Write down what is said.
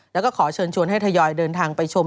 แล้วก็ขอเชิญชวนให้ทยอยเดินทางไปชม